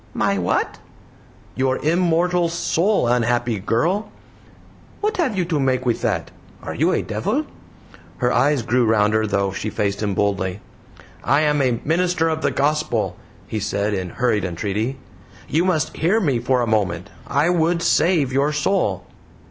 "My what?" "Your immortal soul, unhappy girl." "What have you to make with that? Are you a devil?" Her eyes grew rounder, though she faced him boldly. "I am a Minister of the Gospel," he said, in hurried entreaty. "You must hear me for a moment. I would save your soul."